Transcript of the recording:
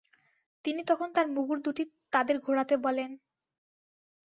তিনি তখন তার মুগুর দুটি তাদের ঘোরাতে বলেন।